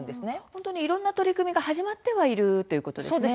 本当にいろんな取り組みが始まってはいるということですね。